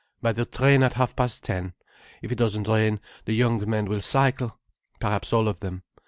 "By the train at half past ten. If it doesn't rain, the young men will cycle—perhaps all of them.